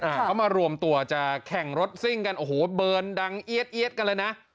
เขามารวมตัวจะแข่งรถซิ่งกันโอ้โหเบิร์นดังเอี๊ยดเอี๊ยดกันเลยนะ